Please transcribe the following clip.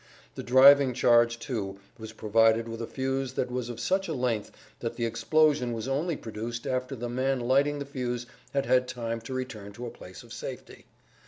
The driving charge, too, was provided with a fuse that was of such a length that the explosion was only produced after the man lighting the fuse had had time to return to a place of safety.